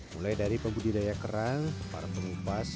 mulai dari pembudidaya kerang para pengupas